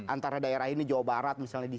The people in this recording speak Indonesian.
antara daerah ini jawa barat misalnya di jawa barat